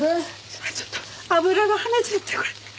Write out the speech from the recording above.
あっちょっと油が跳ねちゃってこれ。